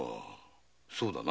そうだな。